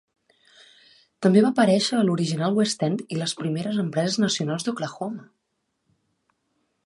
També va aparèixer a l'original West End i les primeres empreses nacionals d'Oklahoma!